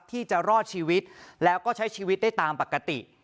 ที่จะรอดชีวิตแล้วก็ใช้ชีวิตได้ตามปกติ